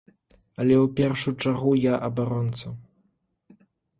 Але ў першую чаргу я абаронца.